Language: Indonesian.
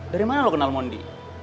dari mana lo kenal mondi